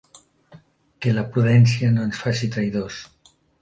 Que la prudència no ens faci traïdors.